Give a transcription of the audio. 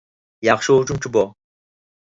ياخشى ھۇجۇمچى بۇ.